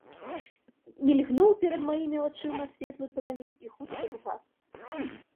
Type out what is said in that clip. Мільгнуў перад маімі вачыма светлы прамень і хутка згас.